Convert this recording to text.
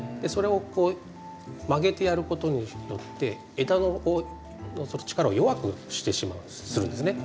それをこう曲げてやることによって枝の力を弱くしてしまうんです。